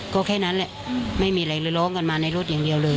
ก็แค่นั้นแหละไม่มีอะไรเลยร้องกันมาในรถอย่างเดียวเลย